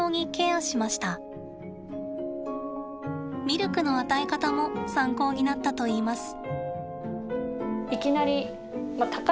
ミルクの与え方も参考になったといいます。